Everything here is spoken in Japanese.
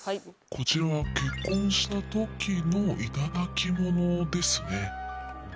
こちらは結婚した時の頂き物ですね。